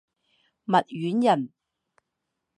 密县人。